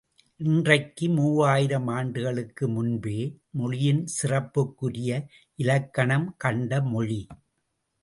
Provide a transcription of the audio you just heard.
இன்றைக்கு மூவாயிரம் ஆண்டுகளுக்கு முன்பே மொழியின் சிறப்புக்குரிய இலக்கணம் கண்ட மொழி.